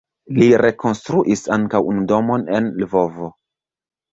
Li rekonstruis ankaŭ unu domon en Lvovo.